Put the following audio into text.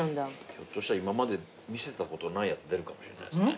ひょっとしたら今まで見せたことないやつ出るかもしれないですね。